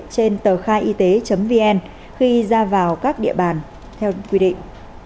trên tờ khai y tế vn khi ra vào các địa bàn theo quy định